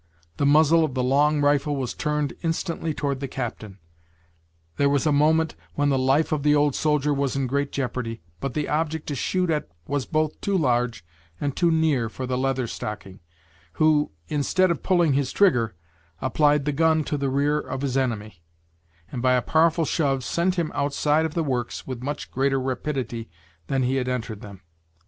The muzzle of the long rifle was turned instantly toward the captain. There was a moment when the life of the old soldier was in great jeopardy but the object to shoot at was both too large and too near for the Leather Stocking, who, instead of pulling his trigger, applied the gun to the rear of his enemy, and by a powerful shove sent him outside of the works with much greater rapidity than he had entered them.